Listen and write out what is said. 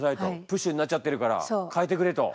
プッシュになっちゃってるから変えてくれと。